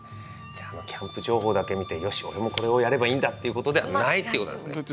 じゃああのキャンプ情報だけ見てよし俺もこれをやればいいんだっていうことではないっていうことなんですね。